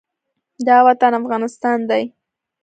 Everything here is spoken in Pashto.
دا وطن افغانستان دى.